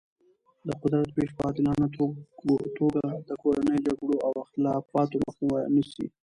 د قدرت ویش په عادلانه توګه د کورنیو جګړو او اختلافاتو مخه نیسي.